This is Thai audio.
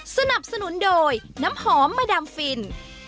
สนับสนุนโดยน้ำหอมมาดามฟิน